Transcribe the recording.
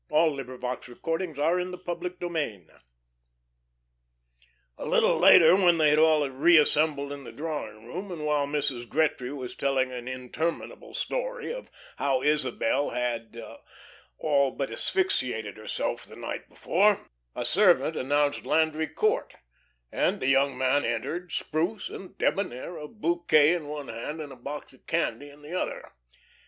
"At the market," returned Jadwin. "I want to get into the thing quick." A little later, when they had all reassembled in the drawing room, and while Mrs. Gretry was telling an interminable story of how Isabel had all but asphyxiated herself the night before, a servant announced Landry Court, and the young man entered, spruce and debonair, a bouquet in one hand and a box of candy in the other.